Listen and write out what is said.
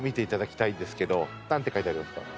何て書いてありますか？